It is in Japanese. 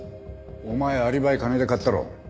お前アリバイ金で買ったろ。